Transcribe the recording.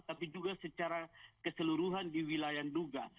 tapi juga secara keseluruhan di wilayah nduga